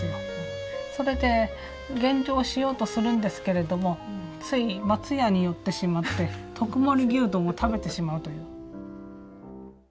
それで減量しようとするんですけれどもつい松屋に寄ってしまって特盛牛丼を食べてしまうという。